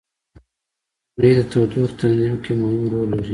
• غونډۍ د تودوخې تنظیم کې مهم رول لري.